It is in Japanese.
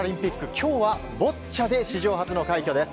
今日はボッチャで史上初の快挙です。